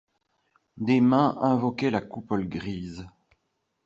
Des mains invoquaient la coupole grise.